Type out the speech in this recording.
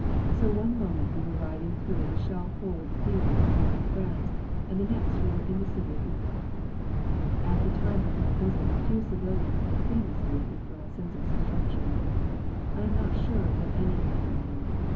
So one moment we were riding through the shell holed fields of Northern France and the next we were in the city of Ypres. At the time of my visit few civilians had seen the city of Ypres since its destruction. I am not sure that any had been there.